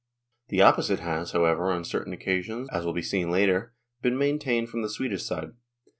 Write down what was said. The opposite has, however, on certain occa sions, as will be seen later, been maintained from the Swedish side.